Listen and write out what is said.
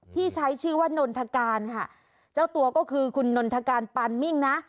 ที่ใช้ชื่อว่านนทการค่ะเจ้าตัวก็คือคุณนนทการปานมิ่งนะ